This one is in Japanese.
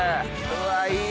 うわいい！